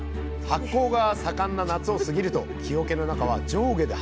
発酵が盛んな夏を過ぎると木おけの中は上下で発酵のムラができます。